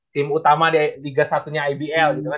tim utama di liga satu nya ibl gitu kan